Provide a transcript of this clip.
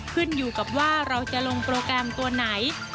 ขึ้นอยู่กับว่าเราจะลงโปรแกรมตัวไหน